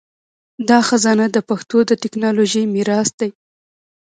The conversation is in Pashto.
دا خزانه د پښتو د ټکنالوژۍ میراث دی.